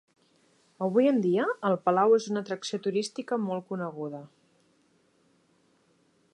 Avui en dia, el palau és una atracció turística molt coneguda.